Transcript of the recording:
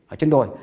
ở trên đồi